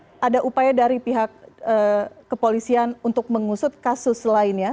apakah ada upaya dari pihak kepolisian untuk mengusut kasus lainnya